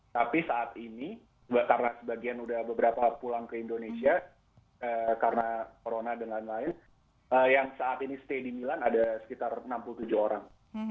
tapi saat ini karena sebagian sudah beberapa pulang ke indonesia karena corona dan lain lain yang saat ini stay di milan ada sekitar enam puluh tujuh orang